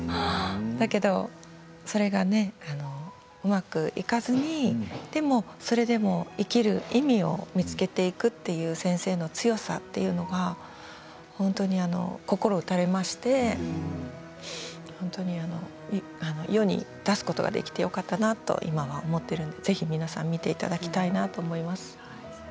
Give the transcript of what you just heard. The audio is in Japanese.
だけどそれがうまくいかずにそれでも生きる意味を見つけていくという先生の強さというのが心打たれまして世に出すことができてよかったなと今は思っているのでぜひ皆さん見ていただきたいなと思います。